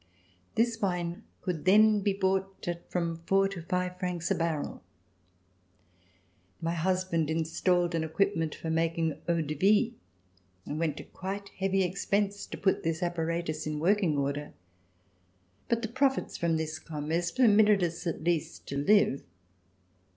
This wine could then be bought at from four to five francs a barrel. My husband installed an equip ment for making eau de vie and went to quite heavy expense to put this apparatus in working order. But the profits from this commerce permitted us at least to live.